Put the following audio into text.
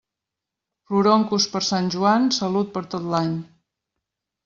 Floroncos per Sant Joan, salut per tot l'any.